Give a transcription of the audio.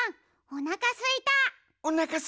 おなかすいた！